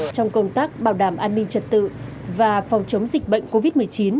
trong công tác bảo đảm an ninh trật tự và phòng chống dịch bệnh covid một mươi chín